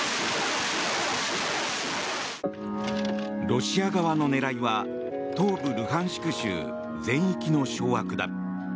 ロシア側の狙いは東部ルハンシク州全域の掌握だ。